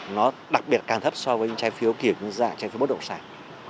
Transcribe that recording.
nó đặc biệt càng thấp so với những trái phiếu kiểu như giải trái phiếu bất động sản